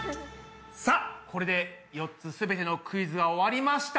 さあこれで４つすべてのクイズが終わりました。